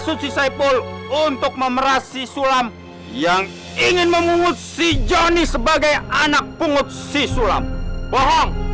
untuk memeras si sulam yang ingin memungut si johnny sebagai anak pungut si sulam bohong